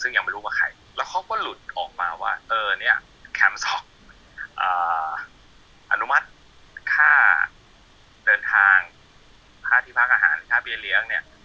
ซึ่งก็ลุดออกมาว่าเออนี่แคมซ่อคอนุมัติฆ่าเถิดท่าที่พักอาหารที่อุดร้ายเนี่ย